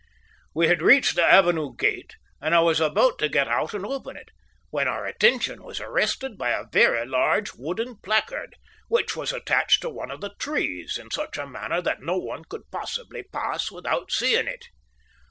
We had reached the avenue gate, and I was about to get out and open it, when our attention was arrested by a very large wooden placard, which was attached to one of the trees in such a manner that no one could possibly pass without seeing it.